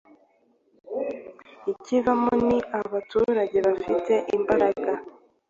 ikivamo ni abaturage bafite imbaraga,